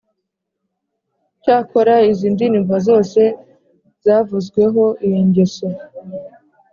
icyakora izi ndirimbo zose zavuzweho iyi ngeso